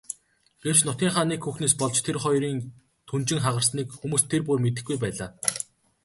Гэвч нутгийнхаа нэг хүүхнээс болж тэр хоёрын түнжин хагарсныг хүмүүс тэр бүр мэдэхгүй байлаа.